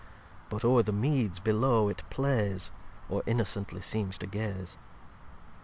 But ore the Meads below it plays, Or innocently seems to gaze.